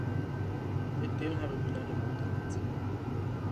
E teng ha re bina le ho tantsha.